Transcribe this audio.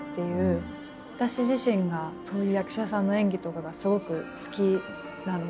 私自身がそういう役者さんの演技とかがすごく好きなので。